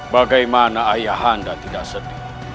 bagaimana ayahanda tidak sedih